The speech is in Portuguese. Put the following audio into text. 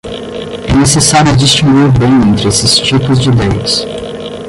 É necessário distinguir bem entre esses tipos de idéias.